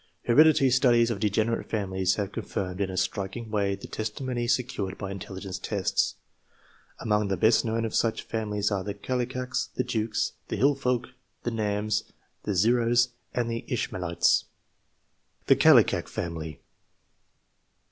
1 Heredity studies of " degenerate " families have con firmed* in a striking way, the testimony secured by intelli gence tests. Among the best known of such families are the "Kallikaks," the "Jukes," the "Hill Polk," the " Nams," the " Zeros," and the " Ishmaelites." 27*e KaUikak family.